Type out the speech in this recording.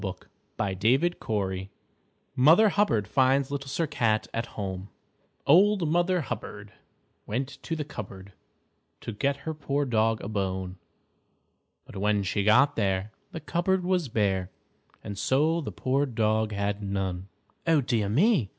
LITTLE SIR CAT Mother Hubbard finds Little Sir Cat at Home "_Old Mother Hubbard Went to the cupboard To get her poor dog a bone, But when she got there The cupboard was bare, And so the poor dog had none._" "Oh, dear me!"